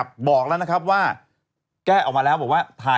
เย็นแล้วค่ะ